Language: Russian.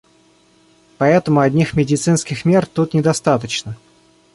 Поэтому одних медицинских мер тут недостаточно.